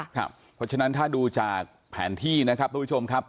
เพราะฉะนั้นถ้าดูจากแผนที่นะครับทุกผู้ชมครับ